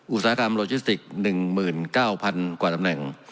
อุตสาหกรรมโลจิสติกส์หนึ่งหมื่นเก้าพันกว่าตำแหน่ง